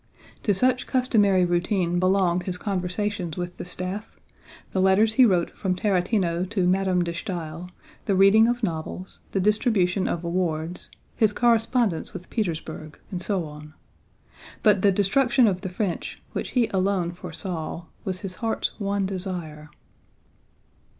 To such customary routine belonged his conversations with the staff, the letters he wrote from Tarútino to Madame de Staël, the reading of novels, the distribution of awards, his correspondence with Petersburg, and so on. But the destruction of the French, which he alone foresaw, was his heart's one desire.